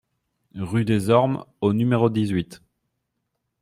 Rue des Ormes au numéro dix-huit